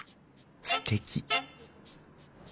すてき！